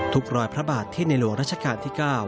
รอยพระบาทที่ในหลวงรัชกาลที่๙